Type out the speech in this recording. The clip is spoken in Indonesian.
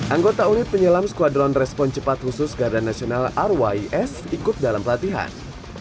anggota unit penyelam skuadron respon cepat khusus garda nasional rys ikut dalam pelatihan